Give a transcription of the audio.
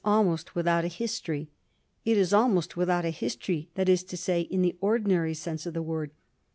295 almost without a history. It is almost without a history, that is to say, in the ordinary sense of the word.